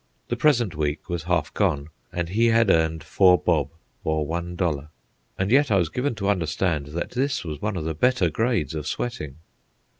The present week was half gone, and he had earned four bob, or one dollar. And yet I was given to understand that this was one of the better grades of sweating.